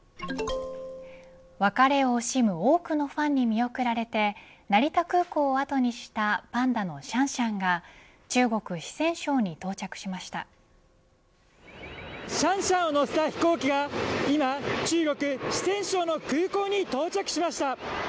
別れを惜しむ多くのファンに見送られて成田空港をあとにしたパンダのシャンシャンがシャンシャンを乗せた飛行機が今、中国、四川省の空港に到着しました。